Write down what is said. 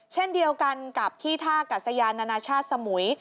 เช่นเดียวกันกับที่ท่ากัศยานานาชาติสมุย